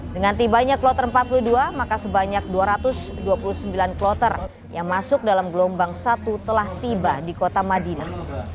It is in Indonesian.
dengan tibanya kloter empat puluh dua maka sebanyak dua ratus dua puluh sembilan kloter yang masuk dalam gelombang satu telah tiba di kota madinah